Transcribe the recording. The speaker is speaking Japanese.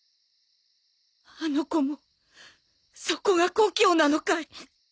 あの子もそこが故郷なのかい？